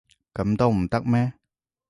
噉都唔得咩？